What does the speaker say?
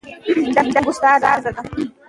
ازادي راډیو د حیوان ساتنه حالت ته رسېدلي پام کړی.